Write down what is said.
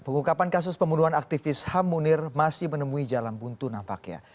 pengungkapan kasus pembunuhan aktivis ham munir masih menemui jalan buntu nampaknya